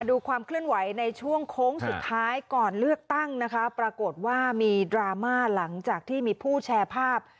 ดูความเคลื่อนไหวในช่วงโค้งสุดท้ายก่อนเลือกตั้งนะคะปรากฏว่ามีดราม่าหลังจากที่มีผู้แชร์ภาพ